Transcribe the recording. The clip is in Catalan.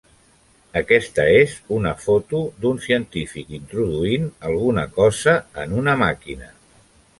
Aquesta és una foto d'un científic introduint alguna cosa en una màquina.